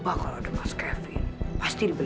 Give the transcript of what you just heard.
udah dulu ya bagus pracit pracit bieber